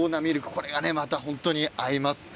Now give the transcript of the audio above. これが本当に合いますね。